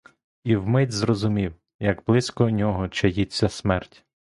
І вмить зрозумів, як близько нього чаїться смерть.